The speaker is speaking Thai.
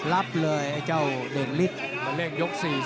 แล้วก็มาเร่งยกที่๔